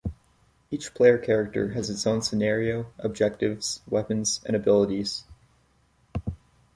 Each player character has its own scenario, objectives, weapons, and abilities.